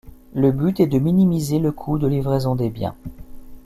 Le but est de minimiser le coût de livraison des biens.